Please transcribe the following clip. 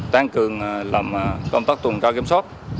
tăng cường làm công tác tuần tra kiểm soát